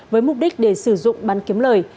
với mục đích để sử dụng bán kiếm lời